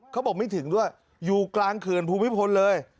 เขาบอกไม่ถึงด้วยอยู่กลางเขื่อนภูมิพลเลย